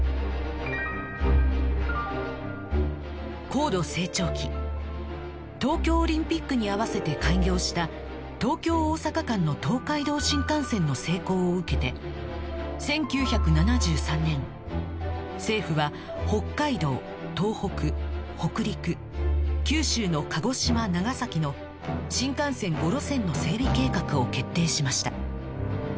高度成長期東京オリンピックに合わせて開業した東京大阪間の東海道新幹線の成功を受けて１９７３年政府は北海道東北北陸九州の鹿児島長崎の新幹線５路線の整備計画を決定しました